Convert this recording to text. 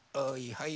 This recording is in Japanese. はい！